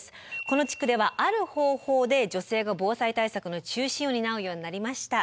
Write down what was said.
この地区ではある方法で女性が防災対策の中心を担うようになりました。